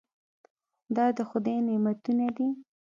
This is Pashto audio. دا د خدای نعمتونه دي.